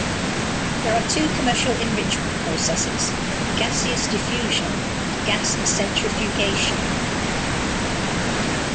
There are two commercial enrichment processes: gaseous diffusion and gas centrifugation.